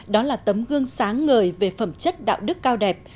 đó là tấm gương sáng ngời về phẩm chất đạo đức cao đẹp